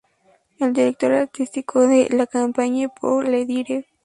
Es director artístico de "La Compagnie Pour Le Dire".